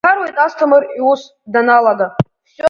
Дмақаруан Асҭамыр, иус данаалга.